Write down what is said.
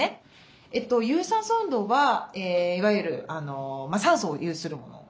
有酸素運動はいわゆる酸素を有するもの。